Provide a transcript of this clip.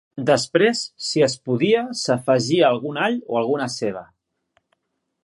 Després, si es podia, s'afegia algun all o alguna ceba.